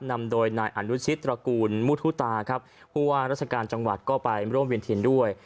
นำโดยนายอนุชิตตระกูลมุทุตาครับผู้ว่าราชการจังหวัดก็ไปร่วมเวียนเทียนด้วย